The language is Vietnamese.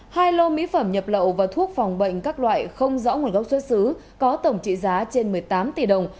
hai lô mỹ phẩm nhập lậu và thuốc phòng bệnh các loại không rõ nguồn gốc xuất xứ có tổng trị giá trên một mươi tám tỷ đồng